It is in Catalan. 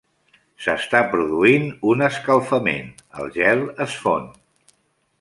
S'està produint un escalfament, el gel es fon.